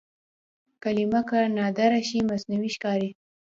کلمه که نادره شي مصنوعي ښکاري.